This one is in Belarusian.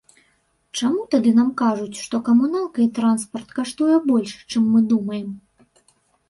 Чаму тады нам кажуць, што камуналка і транспарт каштуе больш, чым мы думаем?